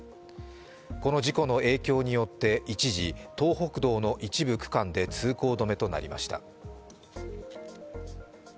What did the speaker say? この事故の影響によって一時、東北道の一部区間で通行止めとなりました。